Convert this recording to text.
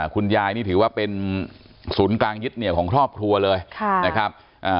คุณยายนี่ถือว่าเป็นศูนย์กลางยึดเหนียวของครอบครัวเลยนะครับ